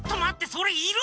それいる？